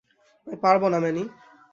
আমি পারবো না, ম্যানি।